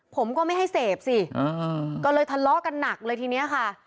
ผมก็ไม่ให้เสพสิก็เลยทะเลาะกันหนักเลยทีนี้ค่ะ